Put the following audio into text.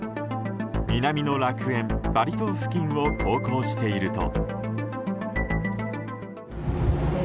南の楽園、バリ島付近を航行していると。